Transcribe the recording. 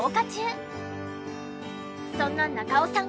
そんな中尾さん